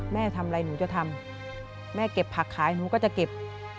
แม่ทำอะไรหนูจะทำแม่เก็บผักขายหนูก็จะเก็บ